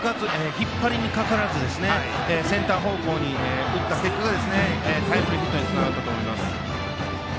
引っ張りにかからずセンター方向に打った結果がタイムリーヒットにつながったと思います。